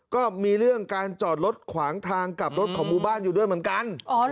ก็มีเรื่องการจอดรถขวางทางกลับรถของหมู่บ้านอยู่ด้วยเหมือนกัน